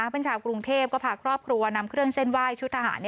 เป็นชาวกรุงเทพก็พาครอบครัวนำเครื่องเส้นไหว้ชุดทหาร